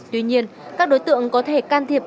tuy nhiên các đối tượng có thể can thiệp